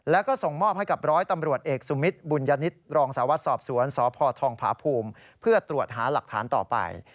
แล้วก็ส่งมอบให้กับร้อยตำรวจเอกสุมิตรบุญญนิตรองสาววัดสอบสวนสพทองผาภูมิเพื่อตรวจหาหลักฐานต่อไป